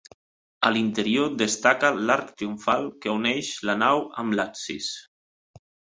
A l'interior destaca l'arc triomfal que uneix la nau amb l'absis.